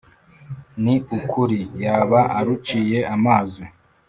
ni ukuri yaba aruciye amazi.